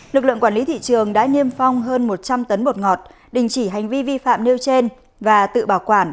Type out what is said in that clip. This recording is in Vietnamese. lực lượng quản lý thị trường đã niêm phong hơn một trăm linh tấn bột ngọt đình chỉ hành vi vi phạm nêu trên và tự bảo quản